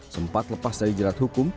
sempat lepas dari jerat hukum